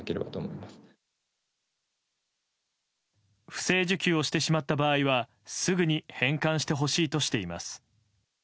不正受給をしてしまった場合はすぐに返還してほしいとしています。